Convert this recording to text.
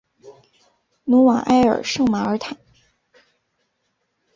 努瓦埃尔圣马尔坦。